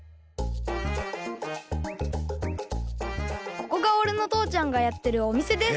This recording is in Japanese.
ここがおれのとうちゃんがやってるおみせです！